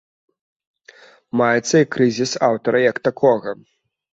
Маецца і крызіс аўтара як такога.